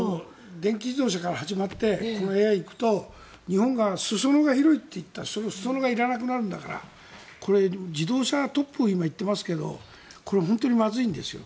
電気自動車から始まってＡＩに行くと日本が裾野が広いといったその裾野がいらなくなるんだからこれ、自動車トップを今、行ってますけどこれ、本当にまずいんですよ。